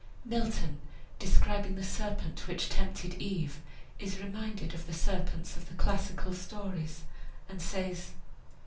Milton, describing the serpent which tempted Eve, is reminded of the serpents of the classical stories and says